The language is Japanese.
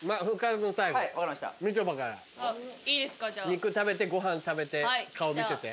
肉食べてご飯食べて顔見せて。